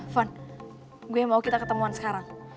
van gue mau kita ketemuan sekarang